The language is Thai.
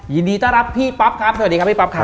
ยินดีต้อนรับพี่ป๊อปครับสวัสดีครับพี่ป๊อปครับ